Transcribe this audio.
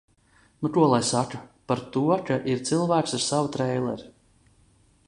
Nu ko lai saka par to, ka ir cilvēks ar savu treileri.